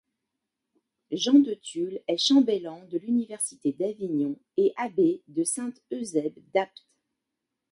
Jean de Tulles est chambellan de l'université d'Avignon et abbé de Saint-Eusèbe d'Apt.